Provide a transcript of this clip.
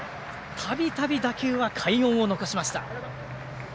たびたび打球は快音を残しました。